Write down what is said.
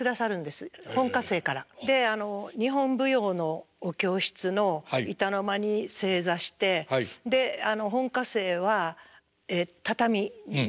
で日本舞踊のお教室の板の間に正座してで本科生は畳に座って。